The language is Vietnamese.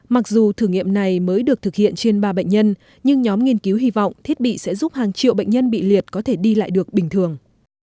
mặc dù thử nghiệm này mới được thực hiện trên ba bệnh nhân nhưng nhóm nghiên cứu hy vọng thiết bị sẽ giúp hàng triệu bệnh nhân bị liệt có thể đi lại được bình thường